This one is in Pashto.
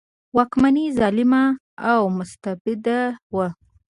واکمني ظالمه او مستبده وه.